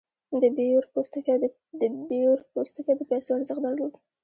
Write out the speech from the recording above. د بیور پوستکی د پیسو ارزښت درلود.